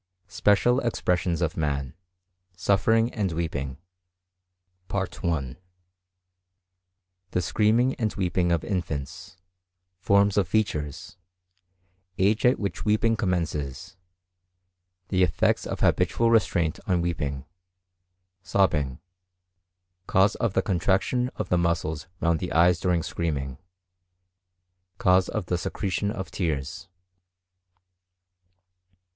SPECIAL EXPRESSIONS OF MAN: SUFFERING AND WEEPING. The screaming and weeping of infants—Forms of features—Age at which weeping commences—The effects of habitual restraint on weeping—Sobbing—Cause of the contraction of the muscles round the eyes during screaming—Cause of the secretion of tears.